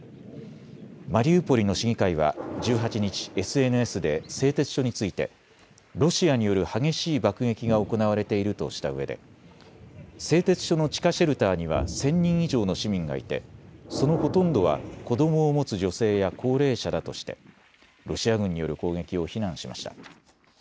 マリウポリの市議会は１８日、ＳＮＳで製鉄所についてロシアによる激しい爆撃が行われているとしたうえで製鉄所の地下シェルターには１０００人以上の市民がいてそのほとんどは子どもを持つ女性や高齢者だとしてロシア軍による攻撃を非難しました。